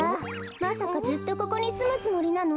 まさかずっとここにすむつもりなの？